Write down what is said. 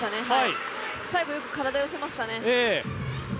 最後よく体、寄せましたね。